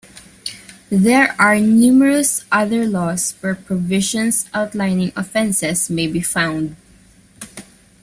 There are numerous other laws where provisions outlining offences may be found.